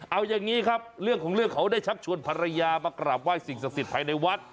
เอาอย่างนี้ครับเรื่องของเรื่องเขาได้ชักชวนภรรยามากราบไห้สิ่งศักดิ์สิทธิภายในวัด